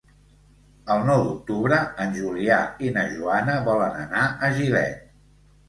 El nou d'octubre en Julià i na Joana volen anar a Gilet.